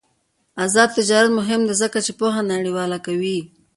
آزاد تجارت مهم دی ځکه چې پوهه نړیواله کوي.